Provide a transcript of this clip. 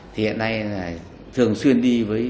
thì hiện nay là thường xuyên đi với cậu tức là đi với hùng